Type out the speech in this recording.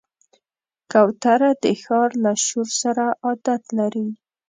کوتره د ښار له شور سره عادت لري.